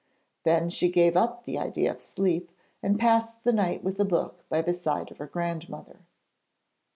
Then she gave up the idea of sleep, and passed the night with a book by the side of her grandmother.